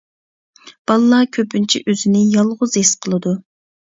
بالىلار كۆپىنچە ئۆزىنى يالغۇز ھېس قىلىدۇ.